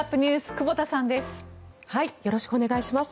久保田さんです。